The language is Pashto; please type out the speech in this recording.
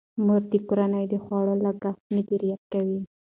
مور د کورنۍ د خوړو لګښت مدیریت کوي.